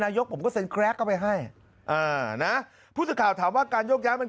นายกผมก็เส้นแคร๊กเข้าไปให้นะพูดข่าวถามว่าการยกย้ามัน